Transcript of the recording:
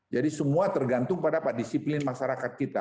jadi semua tergantung pada apa disiplin masyarakat kita